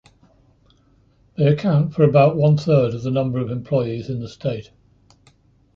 They account for about one-third of the number of employees in the state.